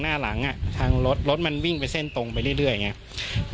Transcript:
หน้าหลังอ่ะทางรถรถมันวิ่งไปเส้นตรงไปเรื่อยเรื่อยอย่างเงี้ย